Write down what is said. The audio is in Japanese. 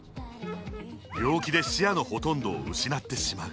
病気で視野のほとんどを失ってしまう。